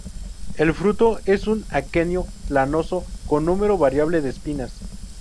El fruto es un aquenio, lanoso, con número variable de espinas.